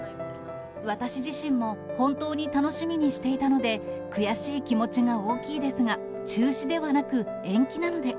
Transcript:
私自身も本当に楽しみにしていたので、悔しい気持ちが大きいですが、中止ではなく、延期なので。